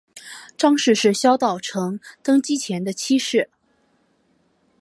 张氏是萧道成登基前的妾室。